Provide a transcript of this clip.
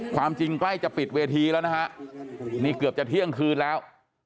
ความจริงใกล้จะปิดเวทีแล้วนะฮะนี่เกือบจะเที่ยงคืนแล้ว